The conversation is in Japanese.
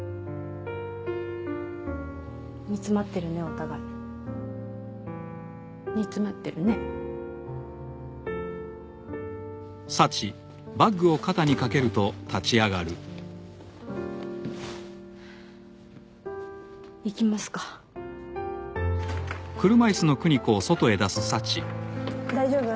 煮詰まってるねお互い煮詰まってるね行きますか大丈夫？